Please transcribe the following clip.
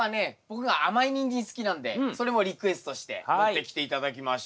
僕が甘いニンジン好きなんでそれもリクエストして持ってきて頂きました。